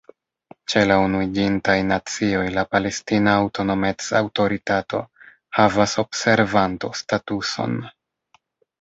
Ĉe la Unuiĝintaj Nacioj la Palestina Aŭtonomec-Aŭtoritato havas observanto-statuson.